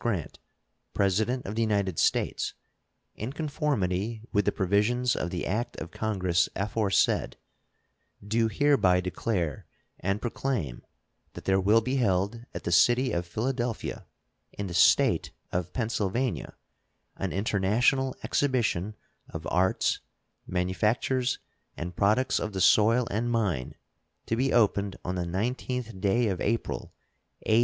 Grant, President of the United States, in conformity with the provisions of the act of Congress aforesaid, do hereby declare and proclaim that there will be held at the city of Philadelphia, in the State of Pennsylvania, an International Exhibition of Arts, Manufactures, and Products of the Soil and Mine, to be opened on the 19th day of April, A.